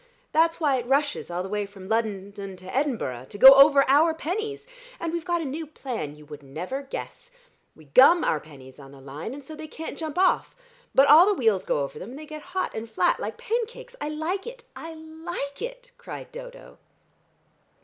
That's why it rushes all the way from London to Edinburgh, to go over our pennies. And we've got a new plan: you would never guess. We gum the pennies on the line and so they can't jump off, but all the wheels go over them, and they get hot and flat like pancakes. I like it! I like it!" cried Dodo.